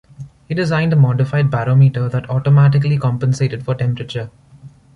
He designed a modified barometer that automatically compensated for temperature.